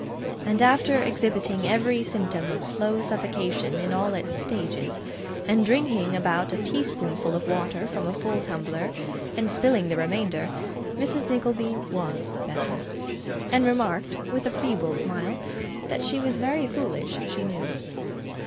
And after exhibiting every symptom of slow suffocation in all its stages, and drinking about a tea spoonful of water from a full tumbler, and spilling the remainder, Mrs. Nickleby WAS better, and remarked, with a feeble smile, that she was very foolish, she knew.